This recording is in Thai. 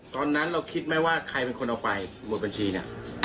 ตอนนั้นเราคิดไหมว่าใครเป็นคนเอาไปหมดบัญชีเนี่ย